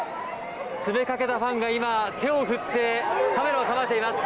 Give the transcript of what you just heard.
詰めかけたファンが今、手を振ってカメラを構えています。